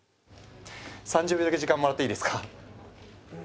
３０秒だけ時間もらっていいですか？